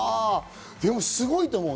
でもすごいと思う。